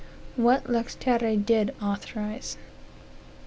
What lex terrae did authorize.